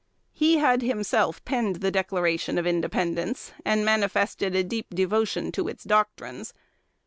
He had himself penned the Declaration of Independence, and manifested a deep devotion to its doctrines.